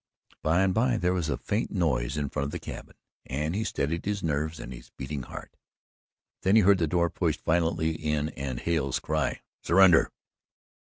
By and by there was a faint noise in front of the cabin, and he steadied his nerves and his beating heart. Then he heard the door pushed violently in and Hale's cry: "Surrender!"